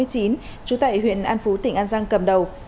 trú tại huyện an phú tỉnh an giang cầm đầu